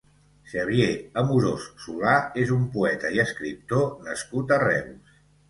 Xavier Amorós Solà és un poeta i escriptor nascut a Reus.